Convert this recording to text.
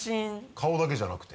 顔だけじゃなくて？